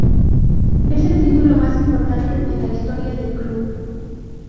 Es el título más importante en la historia del club.